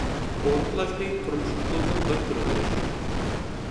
ئورۇقلاشنى تۇرمۇش ئۇسۇلىنىڭ بىر تۈرى قىلىش.